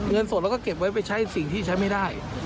เงินสดเราก็เก็บไว้ไปใช้สิ่งที่ใช้ไม่ได้